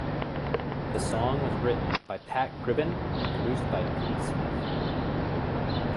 The song was written by Pat Gribben and produced by Pete Smith.